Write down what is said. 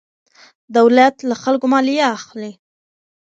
دولت له خلکو مالیه اخلي.